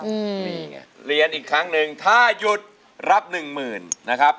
อืมนี่ไงเรียนอีกครั้งหนึ่งถ้าหยุดรับหนึ่งหมื่นนะครับ